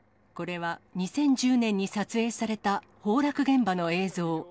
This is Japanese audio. これは、２０１０年に撮影された崩落現場の映像。